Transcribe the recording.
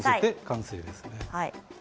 完成ですね。